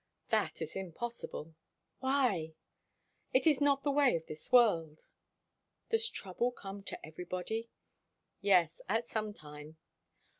"That is impossible." "Why?" "It is not the way of this world." "Does trouble come to everybody?" "Yes. At some time."